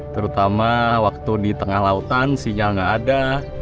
terutama waktu di tengah lautan sinyal nggak ada